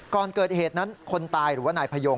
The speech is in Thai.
ก่อนเกิดเหตุนั้นคนตายหรือว่านายพยง